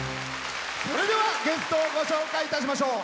それでは、ゲストをご紹介いたしましょう。